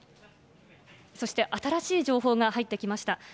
そして新しい情報が入ってきました。